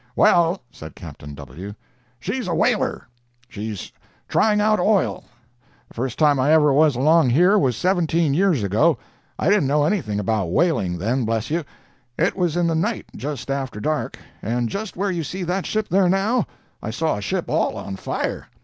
"Well," said Captain W., "she's a whaler. She's trying out oil. The first time I ever was along here was seventeen years ago. I didn't know anything about whaling then, bless you. It was in the night, just after dark, and just where you see that ship there now, I saw a ship all on fire!